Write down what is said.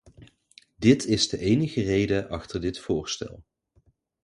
Dit is de enige reden achter dit voorstel.